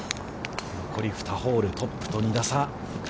残り２ホール、トップと２打差。